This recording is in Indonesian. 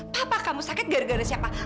kenapa kamu sakit gara gara siapa